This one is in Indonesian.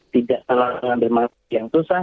tidak terlalu yang susah